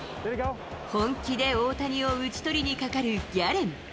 本気で大谷を打ち取りにかかるギャレン。